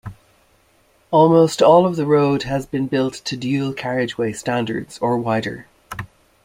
Almost all of the road has been built to dual carriageway standards or wider.